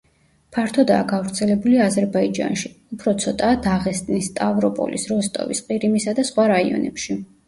ფართოდაა გავრცელებული აზერბაიჯანში, უფრო ცოტაა დაღესტნის, სტავროპოლის, როსტოვის, ყირიმისა და სხვა რაიონებში.